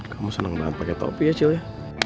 kamu seneng banget pake topi ya cil ya